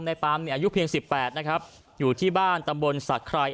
ปามเนี่ยอายุเพียงสิบแปดนะครับอยู่ที่บ้านตำบลสะไคร